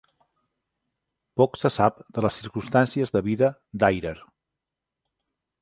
Poc se sap de les circumstàncies de vida d'Ayrer.